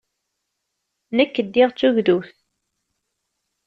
Nekk ddiɣ d tugdut.